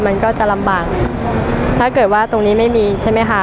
มันก็จะลำบากถ้าเกิดว่าตรงนี้ไม่มีใช่ไหมคะ